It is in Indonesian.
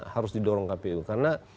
harus didorong kpu karena